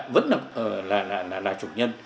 vẫn là chủ nhân